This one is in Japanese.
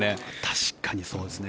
確かにそうですね。